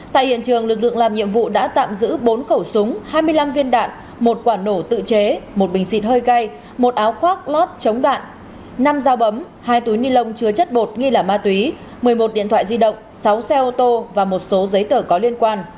tại hiện trường lực lượng làm nhiệm vụ đã tạm giữ bốn khẩu súng hai mươi năm viên đạn một quả nổ tự chế một bình xịt hơi cay một áo khoác lót chống đạn năm dao bấm hai túi ni lông chứa chất bột nghi là ma túy một mươi một điện thoại di động sáu xe ô tô và một số giấy tờ có liên quan